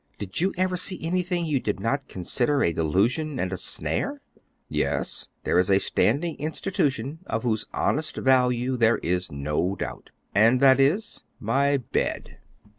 Did you ever see anything you did not consider a delusion and a snare?" "Yes; there is a standing institution of whose honest value there is no doubt." "And that is?" "My bed."